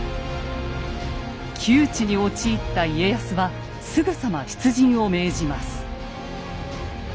窮地に陥った家康はすぐさま出陣を命じます。